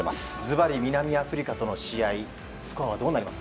南アフリカとの試合のスコアは。